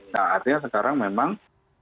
nah artinya sekarang memang